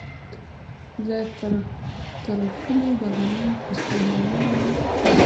زه ترټلي د غنم په څو دانو یم